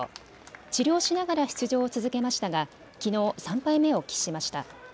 治療しながら出場を続けましたがきのう３敗目を喫しました。